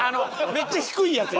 めっちゃ低いやつ。